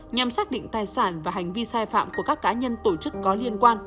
nhằm xác định tài sản và hành vi sai phạm của các cá nhân tổ chức có liên quan